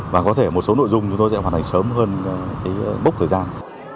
và có thể một số nội dung chúng tôi sẽ hoàn thành sớm hơn mốc thời gian